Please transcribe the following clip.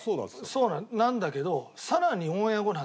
そうなんだけどさらに。